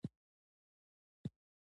باد وزي.